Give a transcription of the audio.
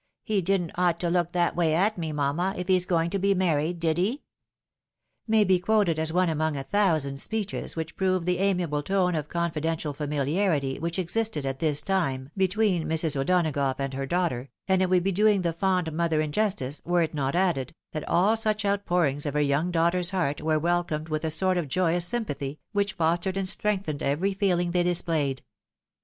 He didn't ought to look that way at me, mamma, if he's going to be married, did he ?"— ^may be quoted as one among a thousand speeches which proved the amiable tone of confidential familiarity which existed at this time between Mrs. O'Donagough and her daughter, and it would be doing the fond mother injustice, were it not added, that all such outpourings of her young daughter's heart were welcomed with a sort of joyous sympathy, which fostered and strengthened every feeling they displayed.